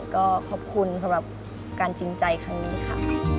ก็ขอบคุณสำหรับการจริงใจครั้งนี้ค่ะ